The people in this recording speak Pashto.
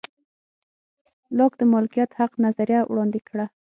لاک د مالکیت حق نظریه وړاندې کړه.